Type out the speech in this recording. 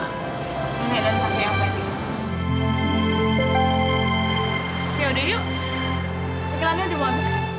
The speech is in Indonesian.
reklamnya udah mau habis